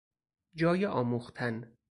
جای آموختن